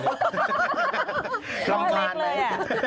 ลำบากเลย